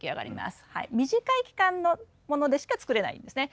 短い期間のものでしか作れないんですね。